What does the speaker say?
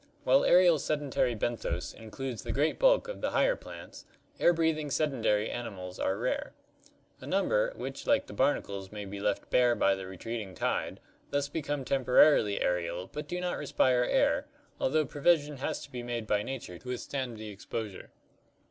While aerial sedentary benthos includes the great bulk of the higher plants, air breathing sedentary animals are rare. A number, which like the barnacles may be left bare by the re treating tide, thus become temporarily aerial but do not respire air, although provision has to be made by nature to withstand the 46 ORGANIC EVOLUTION exposure.